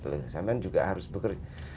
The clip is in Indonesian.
kabupaten ini juga harus bekerja cepat